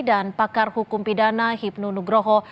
dan pakar hukum pidana hipnu nugroho